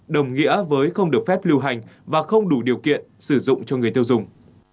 đồng nghĩa với không được phép lưu hành và không đủ điều kiện sử dụng cho người tiêu dùng